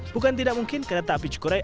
bukan tidak mungkin kereta api cukurai